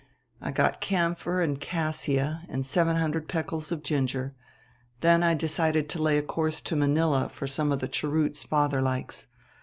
I got camphor and cassia and seven hundred peculs of ginger; then I decided to lay a course to Manilla for some of the cheroots father likes.